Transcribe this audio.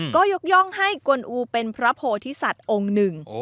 ก็ยกย่องให้กลอูเป็นพระโพธิสัตว์องค์หนึ่ง